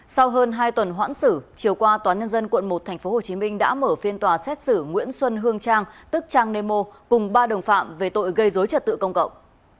sau hơn hai tuần hoãn xử chiều qua tndq một tp hcm đã mở phiên tòa xét xử nguyễn xuân hương trang tức trang nemo cùng ba đồng phạm về tội gây dối trật tự công cộng